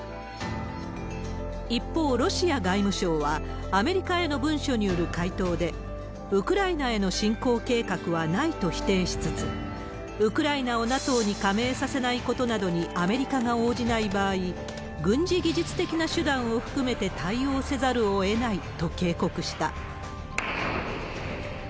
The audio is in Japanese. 一方、ロシア外務省はアメリカへの文書による回答で、ウクライナへの侵攻計画はないと否定しつつ、ウクライナをＮＡＴＯに加盟させないことなどにアメリカが応じない場合、軍事技術的な手段を含めて対応せざるをえないと警告した。